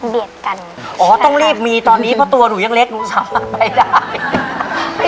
กันอ๋อต้องรีบมีตอนนี้เพราะตัวหนูยังเล็กหนูสามารถไปได้